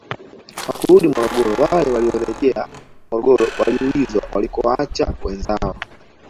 Hawakurudi Morogoro wale waliorejea Morogoro waliulizwa walikowaacha wenzao